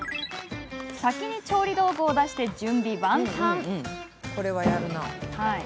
先に調理道具を出して準備万端。